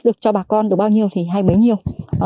được cho bà con được bao nhiêu thì hay bấy nhiêu